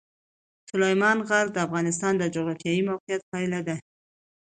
سلیمان غر د افغانستان د جغرافیایي موقیعت پایله ده.